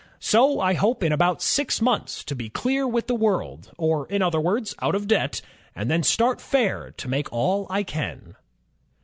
So I hope in about six months to be clear with the world, or in other words out of debt, and then start fair to make all I can."